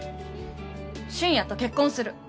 俊也と結婚する。